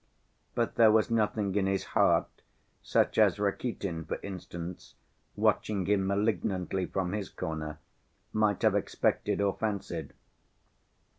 But there was nothing in his heart such as Rakitin, for instance, watching him malignantly from his corner, might have expected or fancied.